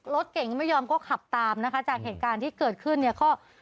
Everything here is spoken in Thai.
รถเก่งไม่ยอมก็ขับตามนะคะจากเหตุการณ์ที่เกิดขึ้นเนี่ยก็